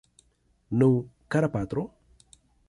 Nu, kara patro?